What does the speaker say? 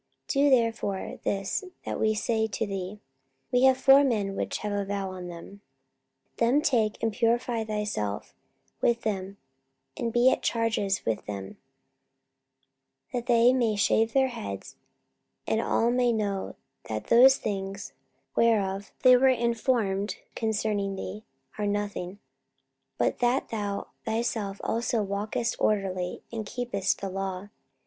44:021:023 Do therefore this that we say to thee: We have four men which have a vow on them; 44:021:024 Them take, and purify thyself with them, and be at charges with them, that they may shave their heads: and all may know that those things, whereof they were informed concerning thee, are nothing; but that thou thyself also walkest orderly, and keepest the law.